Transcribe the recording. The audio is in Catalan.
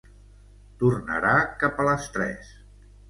Tornarà cap a les tres.